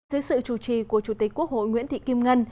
dưới sự chủ trì của chủ tịch quốc hội nguyễn thị kim ngân